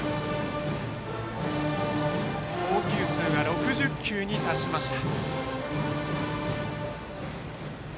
投球数が６０球に達しました。